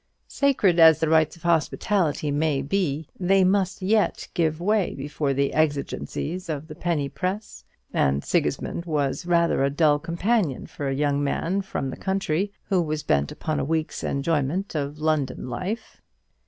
Sacred as the rites of hospitality may be, they must yet give way before the exigencies of the penny press; and Sigismund was rather a dull companion for a young man from the country who was bent upon a week's enjoyment of London life.